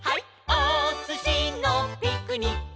おすしのピクニック」